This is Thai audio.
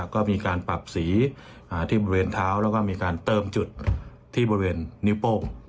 ก็มีการปรับสีที่บริเวณเท้าแล้วก็มีการเติมจุดที่บริเวณนิ้วโป้ง